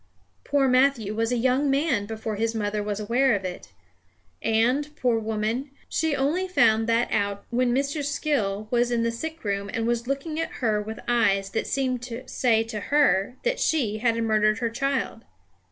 Poor Matthew was a young man before his mother was aware of it. And, poor woman, she only found that out when Mr. Skill was in the sick room and was looking at her with eyes that seemed to say to her that she had murdered her child.